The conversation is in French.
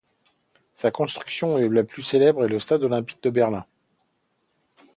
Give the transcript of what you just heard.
Sa construction la plus célèbre est le stade olympique de Berlin.